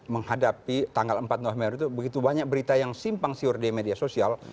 menghadapi tanggal empat november itu begitu banyak berita yang simpang siur di media sosial